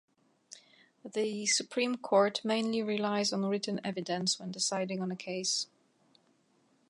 The Supreme Court mainly relies on written evidence when deciding on a case.